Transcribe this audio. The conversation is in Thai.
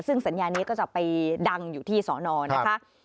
ซึ่งสัญญานี้ก็จะไปดังอยู่ที่สอนอนะคะ